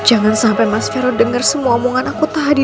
jangan sampai mas fero denger semua omongan aku tadi